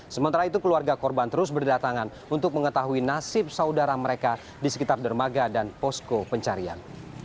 sementara itu keluarga korban terus berdatangan untuk mengetahui nasib saudara mereka di sekitar dermaga dan posko pencarian